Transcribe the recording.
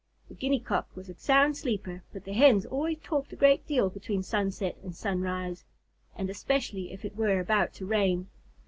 The Guinea Cock was a sound sleeper, but the Hens always talked a great deal between sunset and sunrise, and especially if it were about to rain.